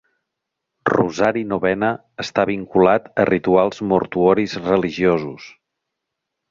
Rosary Novena està vinculat a rituals mortuoris religiosos.